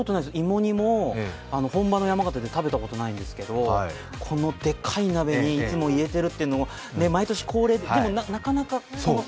芋煮も本場の山形で食べたことないんですけどこのでかい鍋に入れているって毎年恒例、でもなかなか。